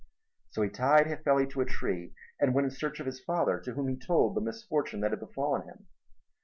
So he tied Hifeli to a tree and went in search of his father to whom he told the misfortune that had befallen him.